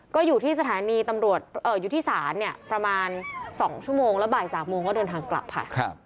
ก็อยู่ที่สถานีตำรวจอยู่ที่ศาลเนี่ยประมาณ๒ชั่วโมงแล้วบ่าย๓โมงก็เดินทางกลับค่ะ